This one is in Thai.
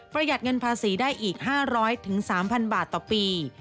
ประหยัดเงินภาษีได้อีก๕๐๐๓๐๐บาทต่อปี